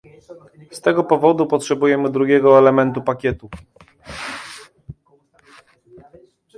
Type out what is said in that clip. Z tego powodu potrzebujemy drugiego elementu pakietu